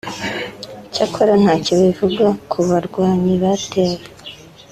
cyakora ntacyo bivuga ku barwanyi bateye